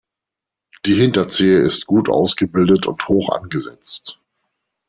Die Hinterzehe ist gut ausgebildet und hoch angesetzt.